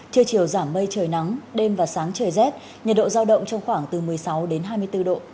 trưa chiều giảm mây trời nắng đêm và sáng trời rét nhiệt độ giao động trong khoảng từ một mươi sáu đến hai mươi bốn độ